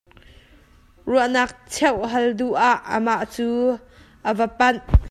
Ruahnak cheuh hal duh ah amah cu kan va panh.